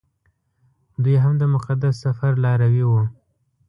دوی هم د مقدس سفر لاروي وو.